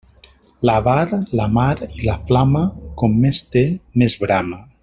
L'avar, la mar i la flama, com més té, més brama.